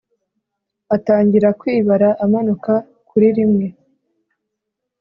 atangirakwibara amanuka kuri rimwe.